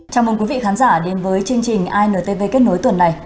chào mừng quý vị khán giả đến với chương trình intv kết nối tuần này